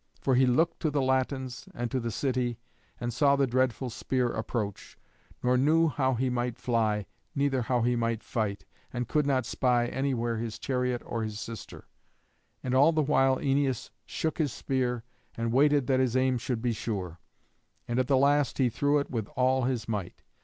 For he looked to the Latins and to the city, and saw the dreadful spear approach, nor knew how he might fly, neither how he might fight, and could not spy anywhere his chariot or his sister. And all the while Æneas shook his spear and waited that his aim should be sure. And at the last he threw it with all his might.